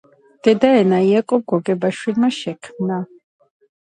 გავრცელების არეალი მოიცავს სამხრეთ და ჩრდილოეთ ნახევარსფეროს ალპურ და ზომიერ სარტყლებს.